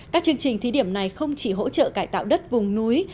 các chương trình thí điểm này không chỉ hỗ trợ cải tạo đất vùng núi